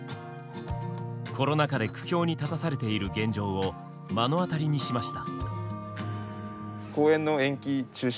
コロナ禍で苦境に立たされている現状を目の当たりにしました。